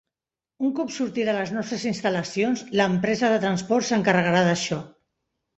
Un cop surti de les nostres instal·lacions, l'empresa de transport s'encarregarà d'això.